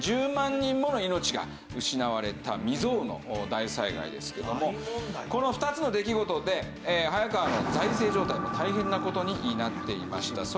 １０万人もの命が失われた未曽有の大災害ですけどもこの２つの出来事で早川の財政状態も大変な事になっていました。